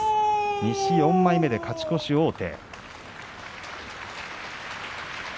西４枚目で勝ち越し王手。